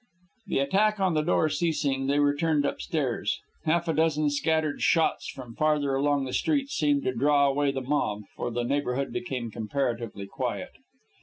The attack on the door ceasing, they returned upstairs. Half a dozen scattered shots from farther along the street seemed to draw away the mob, for the neighborhood became comparatively quiet.